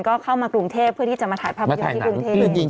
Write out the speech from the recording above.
ก็เข้ามากรุงเทพเพื่อที่จะมาถ่ายภาพยนตร์ที่กรุงเทพ